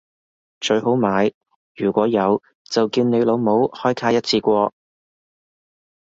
最好買如果有就叫你老母開卡一次過